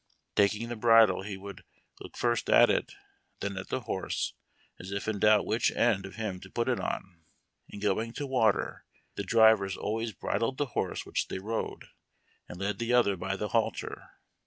Taking the bridle, he would look first at it, then at the horse, as if in doubt which end of him to put it on. In going to water, the drivers always bridled the horse which they rode, and led the other by the halter.